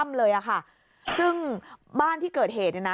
เลยอ่ะค่ะซึ่งบ้านที่เกิดเหตุเนี่ยนะ